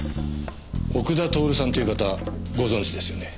奥田徹さんっていう方ご存じですよね？